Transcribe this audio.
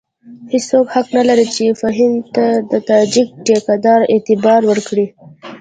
هېڅوک حق نه لري چې فهیم ته د تاجک ټیکه دار اعتبار ورکړي.